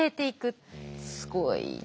すごいな。